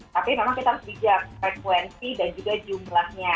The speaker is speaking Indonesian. tapi memang kita harus bijak frekuensi dan juga jumlahnya